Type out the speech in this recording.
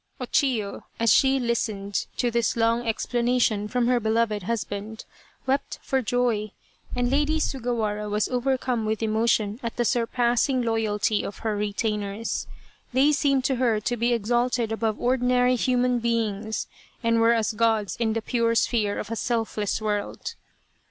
" O Chiyo, as she listened to this long explanation from her beloved husband, wept for joy, and Lady Sugawara was overcome with emotion at the surpass ing loyalty of her retainers ; they seemed to her to be exalted above ordinary human beings and were as Gods in the pure sphere of a selfless world.